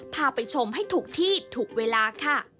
พาไปชมให้ถูกที่ถูกเวลาค่ะ